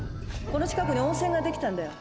この近くに温泉が出来たんだよ